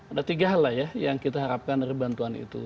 ada tiga hal lah ya yang kita harapkan dari bantuan itu